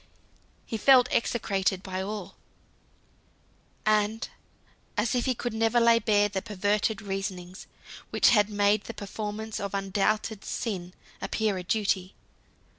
He felt execrated by all; and as if he could never lay bare the perverted reasonings which had made the performance of undoubted sin appear a duty.